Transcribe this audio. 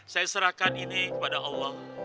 saya serahkan ini kepada allah